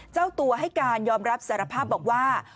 เจ้าตัวให้การยอมรับสารภาพบอกว่า